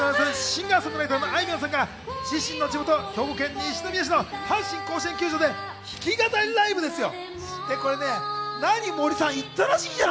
シンガー・ソングライターのあいみょんさんが、自身の地元・兵庫県西宮市の阪神甲子園球場で弾き語りライブですよ。